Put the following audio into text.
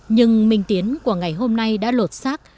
nhưng minh tiến của ngày hôm nay đã lột xác